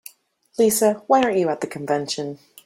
Lisa, why aren't you at the convention?